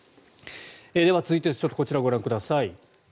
では、続いてこちらをご覧ください。